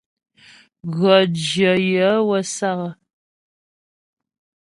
Gʉɔ́ jyə yaə̌ wə́ sǎk.